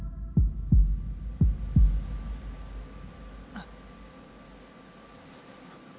あっ。